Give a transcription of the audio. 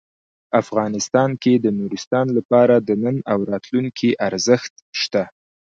افغانستان کې د نورستان لپاره د نن او راتلونکي ارزښت شته.